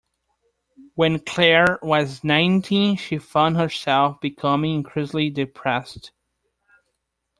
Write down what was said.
When Claire was nineteen she found herself becoming increasingly depressed